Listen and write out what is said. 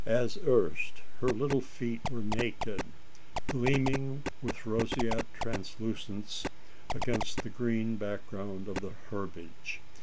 As erst, her little feet were naked gleaming with roseate translucence against the green background of the herbage.